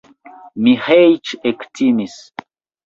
Miĥeiĉ ektimis.